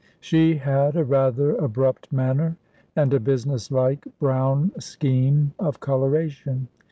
She had a rather abrupt manner and a business like, brown scheme of coloration.